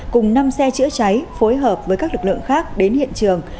cùng năm xe chữa cháy phối hợp với các lực lượng khác đến hiện trường